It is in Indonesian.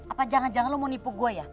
apa jangan jangan lo mau nipu gue ya